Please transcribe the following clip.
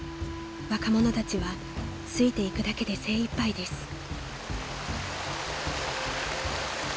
［若者たちはついていくだけで精いっぱいです］